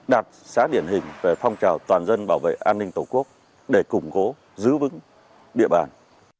đạt xã điển hình về phong trào toàn dân bảo vệ an ninh tổ quốc để củng cố giữ vững địa bàn